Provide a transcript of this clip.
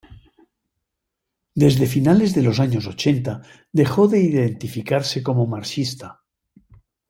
Desde finales de los años ochenta dejó de identificarse como marxista.